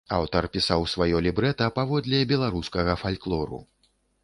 Аўтар пісаў сваё лібрэта паводле беларускага фальклору.